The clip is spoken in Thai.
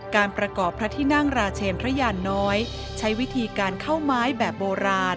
การประกอบพระที่นั่งราชเชนพระยานน้อยใช้วิธีการเข้าไม้แบบโบราณ